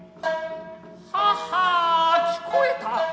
ハハア聞こえた。